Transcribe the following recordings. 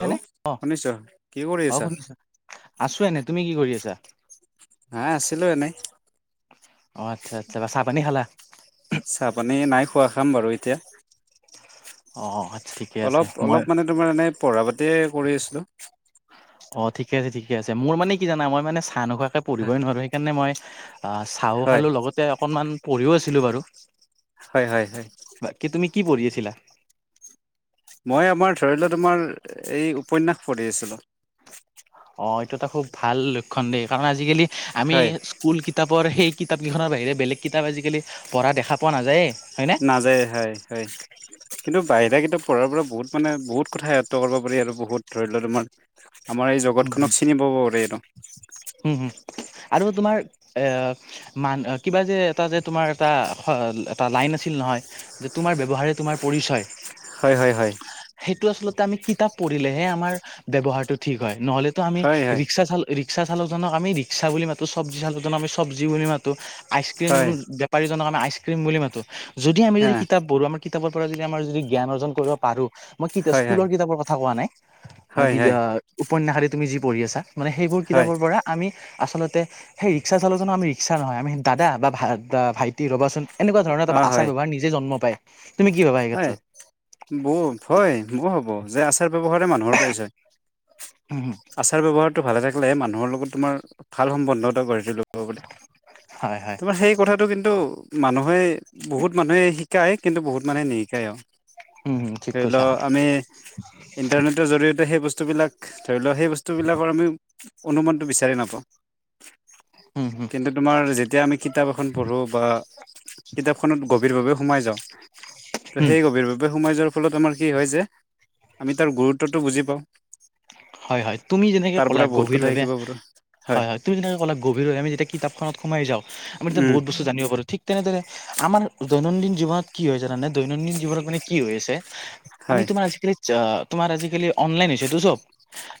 Hello অ শুনিছ কি কৰি অ আছা শুনিছো আছো এনে তুমি কি কৰি আছা? নাই আছিলো এনেই অ আচ্ছা আচ্ছা চাহ পানী খালা? চাহপানী নাই খোৱা খাম বাৰু এতিয়া। অ অ আচ্ছা ঠিকে আছে অলপ মই অলপ মানে তোমাৰ এনে পঢ়া পাতিয়ে কৰি আছিলো। অ ঠিকে আছে ঠিকে আছে মোৰ মানে কি জানা মই মানে চাহ নোখোৱাকে হয় পঢ়িবই নোৱাৰো সেইকাৰণে মই অহ চাহো খালো লগতে অকনমান পঢ়িও আছিলো বাৰু। হয় হয় হয়। বাকি কি তুমি কি পঢ়ি আছিলা? মই আমাৰ ধৰি লোৱা তোমাৰ এই উপন্যাস পঢ়ি আছিলোঁ। অঁহ এইটো এটা খুব ভাল লক্ষণ দেই কাৰণ আজিকালি আমি হয় স্কুল কিতাপৰ সেই কিতাপকেইখনৰ বাহিৰে বেলেগ কিতাপ আজিকালি পঢ়া দেখা পোৱা নাযায়ে হয়নে নাযায়ে হয় হয়। কিন্তু বাহিৰা কিতাপ পঢ়াৰ পৰা বহুত মানে বহুত কথা আয়ত্ব কৰিব পাৰি আৰু বহুত ধৰি লোৱা তোমাৰ আমাৰ এই হুম জগতখনক চিনি পাব পাৰে এইটো। উম আৰু তোমাৰ এ মান কিবা যে এটা যে তোমাৰ এটা এটা লাইন আছিল নহয় যে তোমাৰ ব্যৱহাৰে তোমাৰ পৰিচয়। হয় হয় হয়। সেইটো আচলতে আমি কিতাপ পঢ়িলেহে আমাৰ ব্যৱহাৰটো ঠিক হয় নহ'লে তো আমি হয় হয় ৰিক্সা চাল ৰিক্সা চালকজনক আমি ৰিক্সা বুলি মাতো চব্জি চালকজনক আমি চব্জি বুলি মাতো আইচক্ৰীম হয় আমি আইচ্ৰীম বুলি মাতোঁ যদি আমি হা যদি কিতাপ পঢ়ো আমাৰ কিতাপৰ পৰা যদি আমাৰ যদি জ্ঞান অৰ্জন কৰিব পাৰো মই হয় হয় স্কুলৰ কিতাপৰ কথা কোৱা নাই। মান হয় বি হয় আহ উপন্যাসেৰে তুমি যি পঢ়ি আছা মানে সেইবোৰ হয় কিতাপৰ পৰা আমি আচলতে সেই ৰিক্সা চালকজনক আমি ৰিক্সা নহয় আমি দাদা বা ভ ভাইটি ৰ'বাচোন এনেকুৱা ধৰণৰ এটা অ হয় আচাৰ ব্যৱহাৰ নিজে জন্ম পায় তুমি কি ভাবা এই ক্ষেত্ৰত? বৌত হয় মোৰ হ'ব যে আচাৰ ব্যৱহাৰে মানুহৰ পৰিচয়। হুম হুম। আচাৰ ব্যৱহাৰটো ভালে থাকিলেহে মানুহৰ লগত তোমাৰ ভাল সমন্ধ এটা গঢ়ি তোঁলি হয় হয় তোমাৰ সেই কথাটো কিন্তু মানুহে বহুত মানুহে শিকাই কিন্তু বহুত মানে নিশিকায়ো। উম হম ঠিক কৈছা ইণ্টাৰনেটৰ জৰিয়তে সেই বস্তুবিলাক ধৰি লোৱা সেই বস্তুবিলাকৰ আমি অনুমানটো বিচাৰি নাপাওঁ। উম হুম। কিন্তু তোমাৰ যেতিয়া আমি কিতাপ এখন পঢ়োঁ বা কিতাপখনত গভীৰভাৱে সোমাই যাওঁ। ত উম সেই গভীৰভাৱে সোমাই যোৱাৰ ফলত আমাৰ কি হয় যে আমি তাৰ গুৰুত্বটো বুজি পাওঁ। হয় হয় তুমি যেনেকে তাৰ পৰা ক'লা বহুত গভীৰ কথা ভাবে শিকিব পাৰো হয় হয়। তুম যেনেকৈ ক'লা গভীৰ ভাৱে আমি যেতিয়া কিতাপখনত সোমাই যাওঁ আমি তেতিয়া উম বহুত বস্তু জানিব পাৰো ঠিক তেনেদৰে আমাৰ দৈনন্দিন জীৱনত কি হয় জানানে দৈনন্দিন জীৱনত মানে কি হৈ আছে। আমি হয়। তোমাৰ আজিকালি অহ তোমাৰ আজিকালি অনলাইন হৈছেটো চব।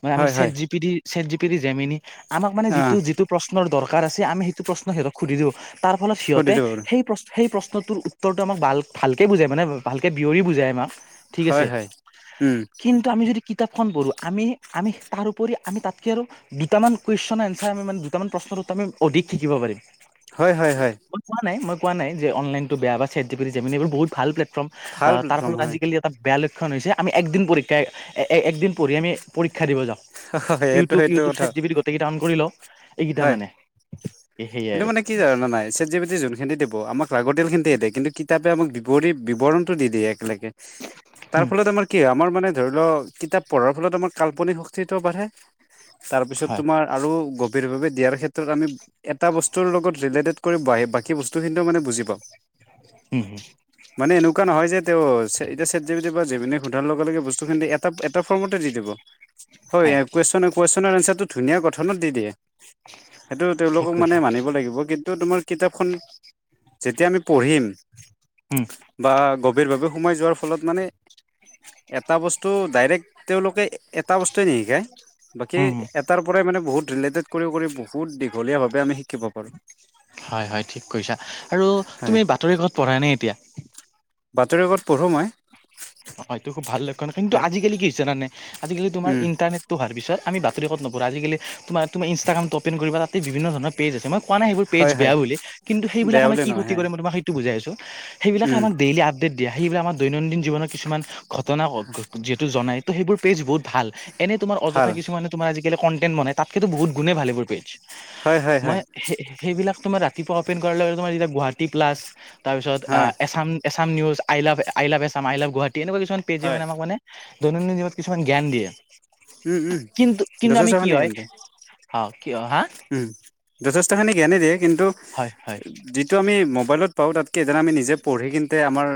মানে আমি হয় হয় chat G P T chat G P T Gemini আমাক মানে অ' যিটো যিটো প্ৰশ্নৰ দৰকাৰ আছে আমি সেইটো প্ৰশ্ন সিহঁতক সুধি দিওঁ তাৰ ফলত সিহঁতে সুধিলো বাৰু সেই প্ৰচ সেই প্ৰশ্নটোৰ উত্তৰটো আমাক ভাল ভালকে বুজাই মানে ভালকে বিৱৰি বুজাই আমাক ঠিক হয় আছে হয়। উম, কিন আমি যদি কিতাপখন পঢ়োঁ আমি আমি তাৰ উপৰি আমি তাতকে আৰু দুটামান কুৱেশন এনচাৰ আমি মানে দুটামান প্ৰশ্নৰ উত্তৰ আমি অধিক শিকিব পাৰিম। হয় হয় হয়। মই কোৱা নাই মই কোৱা নাই যে অনলাইনটো বেয়া বা চেট জি পি টি এইবোৰ বহুত ভাল প্লেটফৰ্ম ভাল তাৰ প্লেটফৰ্ম ফলত হয় আজিকালি তাত বেয়া লক্ষণ হৈছে আমি একদিন পৰীক্ষা একদিন পঢ়ি আমি পৰীক্ষা দিব যাওঁ। হয় এইটো ইউটিউব সেইটো ইউটিউব, কথা চেট্ জিপিটি গোটেইকেইটা অনন কৰি লওঁ, এইকেইটা মানে। সেয়াই সেইটো আৰু মানে কি জানা নে নাই? চাট্ জিপিটি যোন খিন্তি দিব, আমাক লাগতিয়াল খিন্তি হে দেই। কিতাপে আমাক বিৱৰি বিৱৰণটো দি দিয়ে একেল তাৰ উম ফলত আমাৰ কি হয়, আমাৰ মানে ধৰি ল' কিতাপ পঢ়াৰ ফলত আমাৰ কাল্পনিক শক তিটো বাঢ়ে। তাৰ পিছত হয় তোমাৰ আৰু গভীৰভাৱে দিয়াৰ ক্ষেত্ৰত আমি এটা বস্তুৰ লগত ৰিলেটেড কৰি বাই বাকী বস্তুখিনিতো মানে বুজি পাওঁ। উম হু। মানে এনেকুৱা নহয় যে তেওঁ ছে এতিয়া ছেট জিপিটিৰ পৰা যিভিনি সোধাৰ লগে লগে বস্তুখিন্তি এট টা এটা ফৰ্মতে দি দিব। হয় এ কুৱেশন কুৱেশনৰ এনচাৰটো ধুনীয়া গঠনত দি দিয়ে। সেইটো ঠিক তেওঁলোকক মানে কৈছা মানিব লাগিব কি ন্তু তোমাৰ কিতাপখন, যেতিয়া আমি পঢ়িম উম। বা গভীৰভাৱে সোমাই যোৱাৰ ফলত মানে, এটা বস্তু ডাইৰেক্ট তেওঁলোকে এটা বস্তুৱে নিশিকায়। বাকী উম এটাৰ পৰাই মানে বহুত ৰিলেটেড কৰি কৰি বহুত দীঘলীয়াভাৱে আমি শিকিব পাৰোঁ। হয় হয়, ঠিক কৈছা। আৰু হয় তুমি বা পঢ়াইনে এতিয়া? বাতৰিকাকত পঢ়োঁ মই। অ' অ' এইটো খুব ভাল লক্ষণ। কিন্তু হয় আজিকালি কি হৈছে জানানে? আজিকালি তোমাৰ উম ইণ্টাৰনেট টো হোৱাৰ পিছত, আমি বাতৰিকাকত নপঢ়ো। আজিকালি তোমাৰ তুমি ইনষ্টাগ্ৰামটো অ'পেন কৰিবা, তাতেই বিভিন্ন ধৰণৰ পেজ আছে। মই কোৱা নাই সেইবোৰ পেজ হয় হয় বেয়া বুলি, কিন্তু বেয়া সেইবিলাকে আমাক বুলি কি নহয় ক্ষতি হয় কৰে মই তোমাক সেইটো বুজাই আছোঁ। সেইবিলাকে উম আমাক ডেইলি আপ দেত দিয়া। সেইবিলাক আমাক দৈনন্দিন জীৱনৰ কিছুমান ঘটনা যিহেতু জনাই, ত' সেইবোৰ পেজ বহুত ভাল। এনেই তোমাৰ ভাল অযথা কিছুমানে তোমাৰ আজিকালি কন্টেন্ট বনাই, তাতকেতো বহুত গুণে ভাল এইবোৰ পেজ। হয় হয় হয়। সে সেইবিলাক তোমাৰ ৰাতিপুৱা অ'পেন কৰাৰ ল লগে তোমাৰ এতিয়া গুৱাহাটী প্লাছ, তাৰ পিছত আ হয় Assam Assam news, I love I love Assam I love Guwahati এনেকুৱা কিছুমান পেজে হয় মানে আমাক মানে দৈনন্দিন জীৱনত কিছুমান জ্ঞান দিয়ে। উম উম কিন্তু কিন্তু আমি কি যথেষ্টখিনি হয়, জ্ঞান দিয়ে হ' কি হয় হা! উম, যথেষ্টখিনি জ্ঞানেই দিয়ে কিন্তু, হয় হয় যিত টো আমি মোবাইলত পাওঁ, তাতকে যেন আমি নিজে পঢ়ি কিন্তে আমাৰ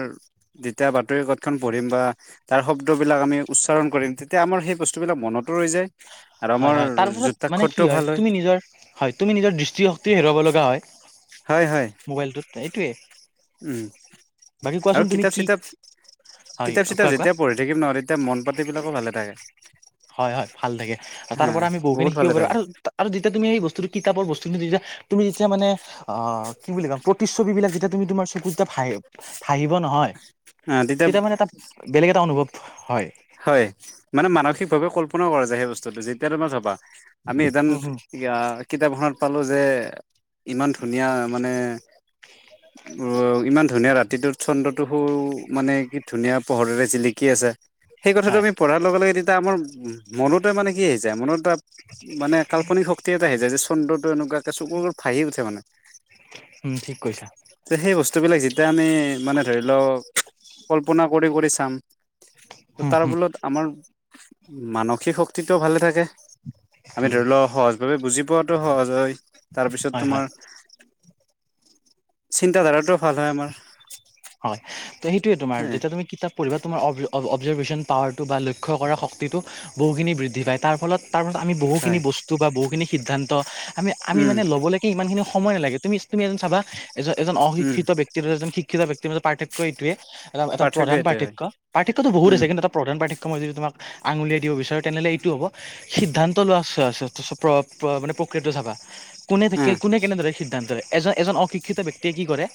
যেতিয়া বাতৰি কাকতখন পঢ়িম, বা তাৰ শব্দবিলাক আমি উচ্চাৰণ কৰিম, তেতিয়া আমাৰ সেই বস্তু স্তুবিলাক মনতো ৰৈ যায়। আৰু হয় আমাৰ হয়। তাৰ ফলত মানে যুক্তাক্ষৰটো কি হয়, ভাল তুমি নিজৰ হয়, তুমি নিজৰ দৃষ্টিশক্তি হেৰুৱাব লগা হয়, হয় হয় মোবাইলটোত এইটোৱে। উম আৰু কিতাপ কি চিতাপ, হয় কিতাপ চিতাপ কোৱা কোৱা যেতিয়া পঢ়ি থাকিম নহয়, তেতিয়া মন পাতি বিলাকো ভালে থাকে। হয় হয়, ভাল থাকে। তাৰ হা পৰা আমি বহুখিনি বহুত শিকিব ভালে পাৰো থাকে আৰু তা আৰু তেতিয়া তুমি এই বস্তুটো কিতাপৰ বস্তুটো নিজে, তুমি তেতিয়া মানে, অ' কি বুলি ক'ম! প্ৰতিচ্ছ ছবি বিলাক যেতিয়া তুমি তোমাৰ চকু দুটাত ভাহে, ভাহিব নহয়, তেতিয়া মানে তাত বেলেগ এটা অনুভৱ হয়। হয়, মানে মানসিকভাৱে কল্পনাও কৰা যায় সেই বস্তুটো। যেতিয়া তোমাৰ চাবা আমি এদান উম, হুম, ইয়া কিতাপ এখনত পালোঁ যে, ইমান ধুনীয়া মানে অউ ইমান ধুনীয়া ৰাতিটোত চন্দ্ৰটো সু মানে, কি ধুনীয়া পোহৰেৰে জিলিকি আছে। সেই কথাটো হয় আমি পঢ়াৰ লগে লগে তেতিয়া আমাৰ মনতে মানে কি আহি যায়, মনৰটা মানে কাল্পনিক শক্তি এটা আহি যায়, যে চন্দ্ৰটো এনেকুৱাকে চকুৰ আগত ভাঁহি উঠে মানে। উম, ঠিক কৈছা। তে, সেই বস্তুবিলাক যেতিয়া আমি মানে ধৰি লওঁ, কল্পনা কৰি কৰি চাম। ত' উম তাৰ উম ফলত আমাৰ মানসিক শক্তিটোও ভালে থাকে। মানে উম ধৰি লওঁ, সহজ ভাৱে বুজি পোৱাতো সহজ হয়। তাৰপিছত হয় হয় তোমাৰ চিন্তাধাৰাটোও ভাল হয় আমাৰ। হয়, ত সেইটোয়ে তোমাৰ যেতিয়া তুমি কিতাপ পঢ়িবা তোমাৰ অ অবজাৰ্ভেশ্যন পাৱাৰটো বা লক্ষ্য কৰা শক্তিটো বহুখিনি বৃদ্ধি পায় তাৰ ফলত তাৰপিছত আমি বহুখিনি হয় বস্তু বা বহুখিনি সিদ্ধান্ত আমি আমি উম মানে ল'বলৈ সেই ইমান খিনি সময় নালাগে তুমি তুমি এ চাবা এজন উম অশিক্ষিত ব্যক্তি এজন শিক্ষিত ব্যক্তি মাজৰ পাৰ্থক্য এইটোৱে এটা এটা প্ৰধান এইটোৱে হয় পাৰ্থক্য পাৰ্থক্যটো বহুত উম আছে কিন্তু এটা প্ৰধান পাৰ্থক্য মই যদি তোমাক আঙুলিয়াই দিব বিচাৰো তেনেহলে এইটো হব সিদ্ধান্ত লোৱা মানে প্ৰক্ৰিয়াটো চাবা কোনে থাকে উম কোনে কেনেদৰে সিদ্ধান্ত লয়, এজন-এজন অশিক্ষিত ব্যক্তিয়ে কি কৰে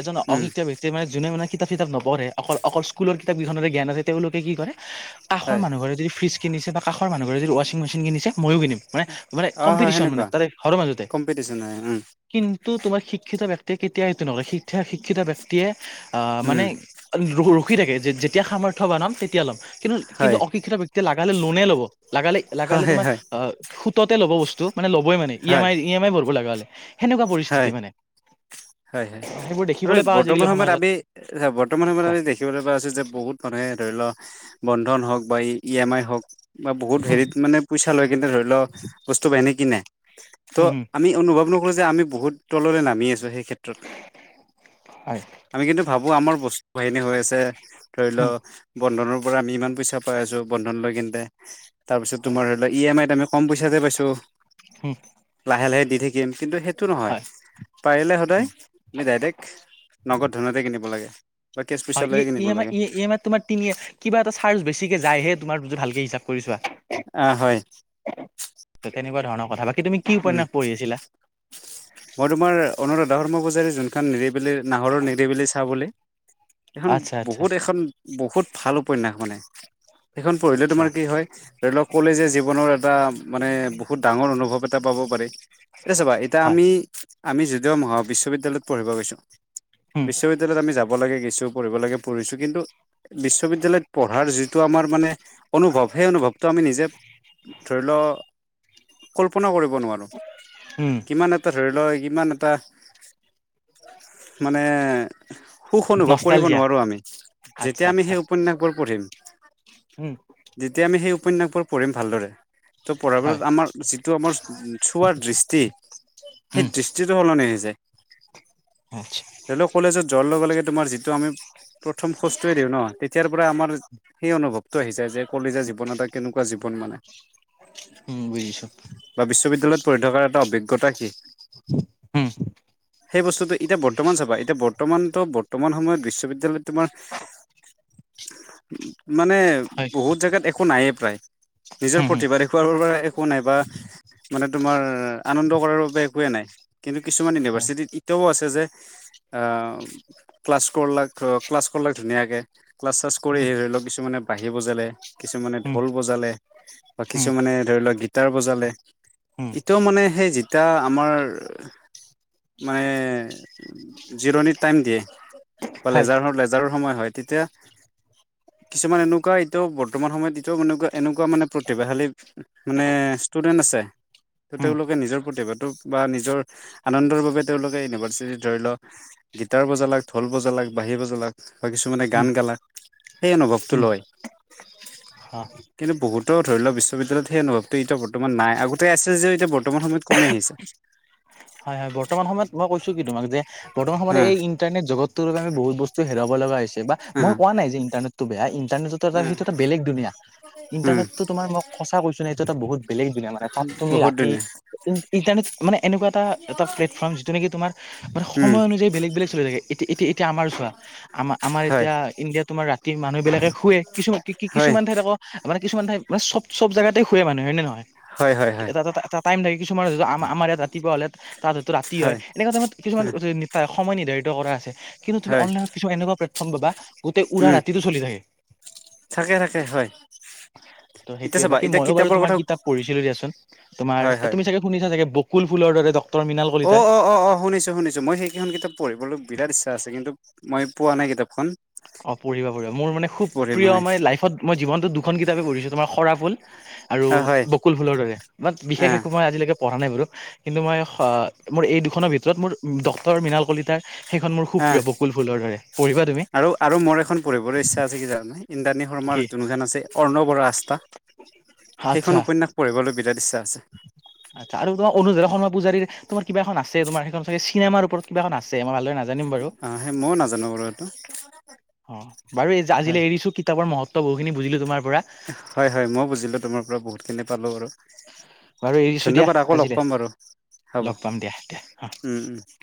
এজন উম অশিক্ষিত মানে যোনে মানে কিতাপ চিতাপ নঢ়ে অকল অকল স্কুলৰ কিতাপ কেইখনেৰে জ্ঞান আছে তেওঁলোকে কি কৰে, কাষৰ হয়। মানুহ ঘৰে যদি ফ্ৰিজ কিনিছে বা কাষৰ মানুহ ঘৰে যদি ৱাশ্চিং মেচিন কিনিছে ময়ো কিনিম। মানে মানে অ হয় কম্পিটিশন মানে সেনেকুৱা তাৰে ঘৰৰ মাজতে। কম্পিটিচন হয় উম কিন্তু তোমাৰ শিক্ষিত ব্যক্তিয়ে কেতিয়াও এইটো নকৰে শিক্ষ শিক্ষিত ব্যক্তিয়ে আহ, উম মানে ৰখি থাকে যে যেতিয়া সামৰ্থ বনাম তেতিয়া ল'ম কিন্তু হয় কিন্তু অশিক্ষিত ব্যক্তিয়ে লগা হলে লোনেই ল'ব, লগা হলে লগা হলে হয় তোমাৰ হয় অ, সুততে ল'ব বস্তু মানে ল'বই মানে। ই এম হয় আই ই এম আই ভৰিব লগা হলে সেনেকুৱা পৰিস্থিতি হয় মানে হয় হয় সেইবোৰ আৰু দেখিবলৈ পাওঁ বৰ্তমান আজিকালি সময়ত সমাজত আমি বৰ্তমান সময়ত কোৱা আমি দেখিবলৈ পাইছোঁ যে বহুত মানুহে ধৰি লোৱা বন্ধন হওক বা ই এম আই হওক, বা বহুত উম হেৰিত মানে পইচা লৈ কিন্তু ধৰি লও বস্তু বাহিনী কিনে, ত' উম উম আমি অনুভৱ নকৰোঁ যে আমি বহুত তললৈ নামি আছোঁ সেই ক্ষেত্ৰত। হয়। আমি কিন্তু ভাবো আমাৰ বস্তু বাহিনী হৈ আছে ধৰি উম লও বন্ধনৰ পৰা আমি ইমান পইচা পাই আছো বন্ধন লৈ কিনে তাৰ পিছত হয় তোমাৰ ধৰি লোৱা ই এম আই ত আমি কম পইচাতে পাইছোঁ, হুম। লাহে লাহে দি থাকিম কিন্তু সেইটো নহয়। পাৰিলে সদায় আুমি ডাইৰেক্ট নগদ ধনেৰে কিনিব লাগে। বা কেচ পইচা হয় ই লৈয়ে ই কিনিব এম আই লাগে। ই ই এম আইত তোমাৰ তিনি কিবা এটা চাৰ্জ বেছিকে যায়হে তোমাৰ যদি ভালকে হিচাপ কৰিছোৱা। আহ, হয়। ত তেনেকুৱা ধৰণৰ কথা বাকি তুমি কি উম উপন্যাস পঢ়ি আছিলা? মই তোমাৰ অনুৰাধা ধৰ্ম পূজাৰীৰ যোনখন নিৰিব ব নাহৰৰ নিৰিবিলি চা বুলি। এইখন আচ্ছা আচ্ছা বহুত এখন বহুত ভাল উপন্যাস মানে সেইখন পঢ়িলে আচ্ছা তোমাৰ কি হয়, ধৰি লওক কলেজৰ জীৱনৰ এটা মানে বহুত ডাঙৰ অনুভৱ এটা পাব পাৰি। এ চাবা এতিয়া হয় আমি আমি যদিও মহা বিশ্ববিদ্যয়ালয়ত পঢ়িব গৈছো। উম বিশ্ববিদ্যালয়ত আমি যাব লাগে গৈছো পঢ়িব লাগে পঢ়িছো কিন্তু বিশ্ববিদ্যয়ালয়ত পঢ়াৰ যিটো আমাৰ মানে অনুভৱ সেই অনুভৱটো আমি নিজে ধৰিলওঁক কল্পনাও কৰিব [unintelligible] নোৱাৰোঁ উম কিমান ধৰিলওঁ ইমান এটা মানে সুখ অনুভৱ কৰিব নষ্টালজিয়া নোৱাৰো আমি, আচ্ছা যেতিয়া আমি আচ্ছা সেই উপন্যাসবোৰ পঢ়িম উম। যেতিয়া আমি সেই উপন্যাসবোৰ পঢ়িম ভালদৰে। টো পঢ়া হয় পিছত আমাৰ যিটো আমাৰ চোৱাৰ দৃষ্টি। সেই উম দৃষ্টিটো সলনি হৈ যায়। আচ্ছা। ধৰিলওঁক কলেজত যোৱাৰ লগে লগে তোমাৰ যিটো আমি প্ৰথম খোজটোৱে দিওঁ ন তেতিয়াৰ পৰা আমাৰ সেই অনুভৱটো আহি যায় যে কলেজীয়া জীৱন এটা কেনেকুৱা জীৱন মানে। উম, বুজিছোঁ। বা বিশ্ববিদ্যালয়ত পঢ়ি থকাৰ এটা অভিজ্ঞতা কি উম সেই বস্তুটো এতিয়া বৰ্তমান বুজিছো চাবা, এতিয়া বৰ্তমান ত' বৰ্তমান সময়ত বিশ্ববিদ্যালয়ত তোমাৰ মানে, হয় বহুত জেগাত একো নায়েই প্ৰায়। নিজৰ উম উম প্ৰতিভাৰে খোৱাৰ পৰা একো নাই বা মানে, তোমাৰ আনন্দ কৰাৰ বাবে একোৱেই নাই। কিন্তু, কিছুমান হয় ইউনিভাৰ্চিটিত এতিয়াও আছে যে আহ, ক্লাছ কৰলাক, ক্লাছ কৰলাক ধুনীয়াকে। ক্লাছ-শ্লাছ কৰি উম ধৰি লওঁক, কিছুমানে বাঢ়ি বজালে। কিছুমানে উম ঢোল বজালে, বা উম কিছুমানে ধৰি লোৱা গীতাৰ বজালে। উম ইটো মানে সেই, যেতিয়া আমাৰ মানে, জিৰণি টাইম দিয়ে। বা হয় লেজাৰ হওঁক লেজাৰৰ সময় হয় তেতিয়া। কিছুমান এনেকুৱা এতিয়াও বৰ্তমান সময়ত এতিয়াও, এনেকুৱা এনেকুৱা মানে প্ৰতিভাশালী মানে ষ্টুডেন্ট আছে। উম ত'তেওঁলোকে নিজৰ প্ৰতিভাটোক বা নিজৰ আনন্দৰ বাবে তেওঁলোকে ইউনিভাৰ্চিটিত ধৰি লওঁক, গীটাৰ বজালাক, ঢোল বজালাক, বাঁহী বজালাক বা কিছুমানে উম গান গালা। সেই অনুভৱটো লয়। হা। কিন্তু বহুতৰ ধৰি লোৱা বিশ্ববিদ্যালয়ত সেই, অনুভৱটো এতিয়া বৰ্তমান নাই। আগতে আছে যে, এতিয়া বৰ্তমান সময়ত কমি আহিছে। হয়-হয়। বৰ্তমান সময়ত মই কৈছো কি তোমাক যে, বৰ্তমান সময়ত হা এই ইণ্টাৰনেট জগতটোৰ কাৰণে বহুত বস্তু হেৰাব লগা হৈছে। বা হা মই কোৱা নাই যে ইন্টাৰনেটটো বেয়া। ইণ্টাৰনেটত সেইটো এটা বেলেগ দুনিয়া। উম ইণ্টাৰনেটটো তোমাৰ মই সঁচা কৈছো নাই এইটো এটা বহুত বেলেগ দুনিয়া। মানে তাত তুমি বহুত ৰাতি ধুনীয়া ইন, ইণ্টাৰনেট মানে এনেকুৱা এটা-এটা প্লেটফৰ্ম, যিটো নেকি তোমাৰ মানে উম সময় অনুযায়ী বেলেগ-বেলেগ চলি থাকে। এতিয়া-এতিয়া -এতিয়া আমাৰ চোৱা, আমাৰ আমাৰ হয় এতিয়া ইণ্ডিয়াত তোমাৰ ৰাতি মানুহ বিলাকে শুুৱে। কিছুমান কি কি হয় কিছুমান ঠাইত আকৌ, মানে কিছুমান ঠাইত মানে, চব-চব জেগাতে ঘূৰে মানুহ হয় নে নহয়। হয় হয় হয় এটা-এটা-এটা টাইম লাগে কিছুমান। আমাৰ ইয়াত ৰাতিপুৱা হ'লে তাত হয়টো ৰাতি হয়। এনেকুৱা টাইমত কিছুমান সময় নিৰ্ধাৰিত কৰা আছে। কিন্তু তুমি হয় অনলাইনট কিছু এনেকুৱা প্লেটফৰ্ম পাবা, গোটেই উৰা উম ৰাতিটো চলি থাকে। থাকে থাকে হয় ত' এতিয়া সেইটোৱে। চাবা বাকী এতিয়া মইওঁ বাৰু কিতাপৰ তোমাৰ কথা কিতাপ পঢ়ছিলো দিয়াচোন। তোমাৰ হয় হয় তুমি চাগে, শুনিছা চাগে, বকুল ফুলৰ দৰে দক অ', অ', অ', অ', শুনিছো-শুনিছো মই সেই সেইখন কিতাপ পঢ়িবলৈ বিৰাট ইচ্ছা আছে। কিন্তু মই পোৱা নাই কিতাপখন। অ, পঢ়িবা-পঢ়িবা। মোৰ মানে খুব পঢ়িম প্ৰিয় হয় মানে, লাইফত মই জীৱনটোত দুখন কিতাপেই পঢ়িছোঁ। তোমাৰ খৰা ফুল। আৰু অ হয় বকুল ফুলৰ দৰে। বাত অ বিশেষ একো মই আজিলৈকে পঢ়া নাই বাৰু। কিন্তু মই মোৰ এই দুখনৰ ভিতৰত মোৰ ডক্টৰ মৃণাল কলিতাৰ, সেইখন মোৰ খুব প্ৰিয় বকুল ফুলৰ দৰে। পঢ়িবা তুমি। আৰু-আৰু মোৰ এখন পঢ়িবলৈ ইচ্ছা আছে কি জানানে? ইন্দ্ৰাণী কি শৰ্মাৰ যোনখন আছে অৰ্ণৱৰ, আস্থা। আচ্ছা সেইখন উপন্যাস পঢ়িবলৈ বিৰাত ইচ্ছা আছে। আচ্ছা আৰু তোমাৰ অনুৰাধা শৰ্মা পূজাৰীৰ, তোমাৰ কিবা এখন আছে। তোমাৰ হেইখন চিনেমাৰ ওপৰত কিবা এখন আছে। মই ভালদৰে নাজানো। নাজানিম বাৰু। অ সেই ময়ো নাজানো বাৰু এইটো অ, বাৰু হয় আজিলৈ এৰিছো কি কিতাপ মহত্ব বহুতখিনী বুজিলো তোমাৰ পৰা। হয়-হয়। মই বুজিলোঁ তোমাৰ পৰা বহুতখিনি পালোঁ বাৰু। বাৰু এৰিছো দিয়া ধন্যবাদ আকৌ লগ আজিলে পাম বাৰু লগ হ'ব। পাম দিয়া উম-উম।